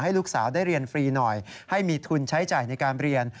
ลูกสาวได้เรียนฟรีหน่อยให้มีทุนใช้จ่ายในการเรียน